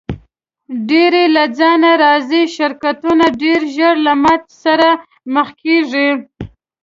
ډېری له ځانه راضي شرکتونه ډېر ژر له ماتې سره مخ کیږي.